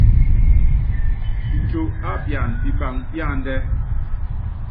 Nco á pian pipaŋ píandɛ́.